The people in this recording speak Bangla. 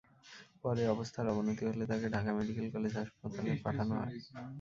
পরে অবস্থার অবনতি হলে তাঁকে ঢাকা মেডিকেল কলেজ হাসপাতালে পাঠানো হয়।